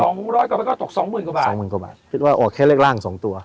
ร้อยกว่ามันก็ตกสองหมื่นกว่าบาทสองหมื่นกว่าบาทคิดว่าอ๋อแค่เลขร่างสองตัว